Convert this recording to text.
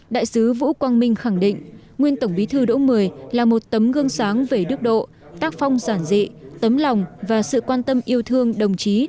đại sứ vũ quang minh khẳng định nguyên tổng bí thư đỗ mười là một tấm gương sáng về đức độ tác phong giản dị tấm lòng và sự quan tâm yêu thương đồng chí